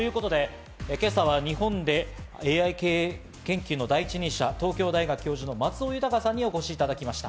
今朝は日本でＡＩ研究の第一人者、東京大学教授の松尾豊さんにお越しいただきました。